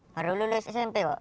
baru lulus smp kok